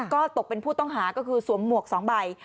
ก็ตกเป็นผู้ต้องหาก็คือสวมหมวก๒ใบ